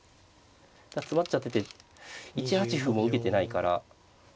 詰まっちゃってて１八歩も受けてないから。